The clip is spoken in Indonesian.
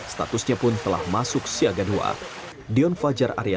statusnya pun telah masuk siaga dua